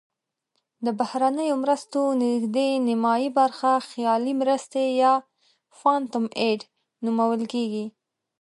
د بهرنیو مرستو نزدې نیمایي برخه خیالي مرستې یا phantom aid نومول کیږي.